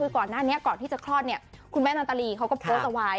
ก่อนที่จะครอบคลอดครุกุมาตลาดนาตาลีเขาก็โพสต์ไว้